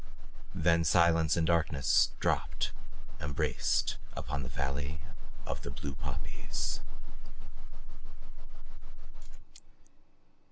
Then silence and darkness dropped embraced upon the valley of the blue poppies.